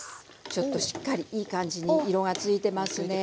ちょっとしっかりいい感じに色がついてますね。